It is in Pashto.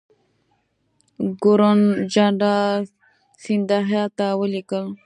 ګورنرجنرال سیندهیا ته ولیکل.